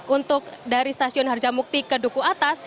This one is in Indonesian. untuk dari stasiun harjamukti ke duku atas